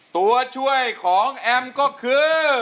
ตัวช่วยของแอมก็คือ